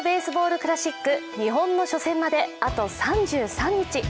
クラシック、日本の初戦まであと３３日。